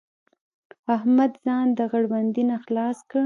احمد ځان د غړوندي نه خلاص کړ.